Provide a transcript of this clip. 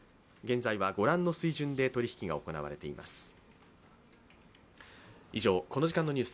現在は御覧の水準で取引が行われています。